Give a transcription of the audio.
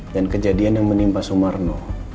dan kejadian yang menimpa sumarno